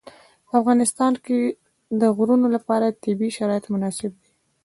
په افغانستان کې د غرونه لپاره طبیعي شرایط مناسب دي.